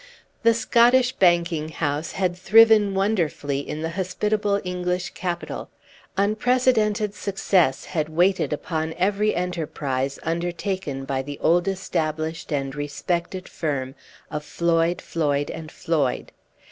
The Scottish banking house had thriven wonderfully in the hospitable English capital. Unprecedented success had waited upon every enterprise undertaken by the old established and respected firm of Floyd, Floyd, and Floyd.